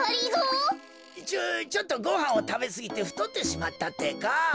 ちょっとごはんをたべすぎてふとってしまったってか。